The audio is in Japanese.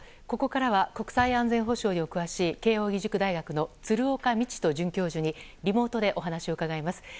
ここからは国際安全保障にお詳しい慶應義塾大学の鶴岡路人准教授にリモートでお話を伺います。